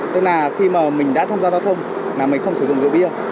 tức là khi mà mình đã tham gia giao thông là mình không sử dụng rượu bia